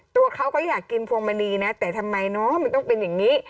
ตัวเขาก็อยากกินพวงมณีนะแต่ทำไมเนาะมันต้องเป็นอย่างนี้